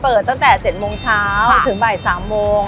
ตั้งแต่๗โมงเช้าถึงบ่าย๓โมง